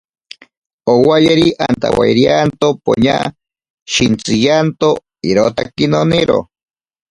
Owayeri, antawairianto poña shintsiyanto... irotaki noniro.